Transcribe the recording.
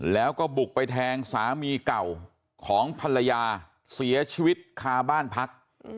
แล้วก็บุกไปแทงสามีเก่าของภรรยาเสียชีวิตคาบ้านพัก